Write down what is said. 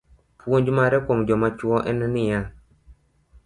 Puonj mare kuom joma chuo en niya: